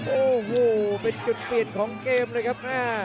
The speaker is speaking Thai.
โอ้โหเป็นจุดเปลี่ยนของเกมเลยครับ